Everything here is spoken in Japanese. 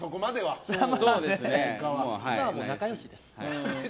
普段は仲良しです。